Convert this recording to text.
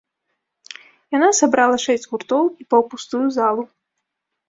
Яна сабрала шэсць гуртоў і паўпустую залу.